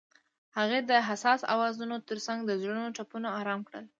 هغې د حساس اوازونو ترڅنګ د زړونو ټپونه آرام کړل.